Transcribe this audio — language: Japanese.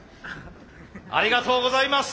ありがとうございます。